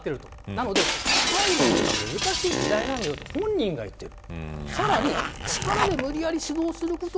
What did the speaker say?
なので、鍛えるのも今、難しい時代なんだと本人が言っている。